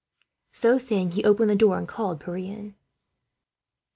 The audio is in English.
So saying, he opened the door and called Pierre in.